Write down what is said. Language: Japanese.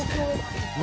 「何？